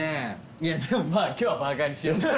いやでもまぁ今日はバーガーにしよう。